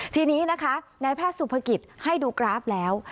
ทีนี้นะคะนายแพทย์สุภกิจให้ดูกราฟแล้ว